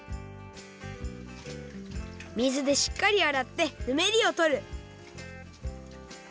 水でしっかりあらってぬめりをとる！